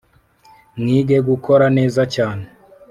Mwige gukora neza cyane